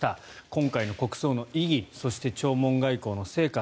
今回の国葬の意義そして弔問外交の成果